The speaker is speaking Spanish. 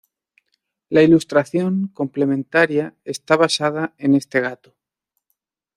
La ilustración complementaria está basada en este gato.